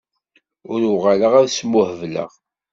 Ur uɣaleɣ ad smuhebleɣ.